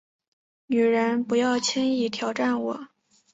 女人，不要轻易挑战我